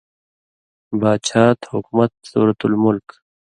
باچھات/حُکمت سورت الملک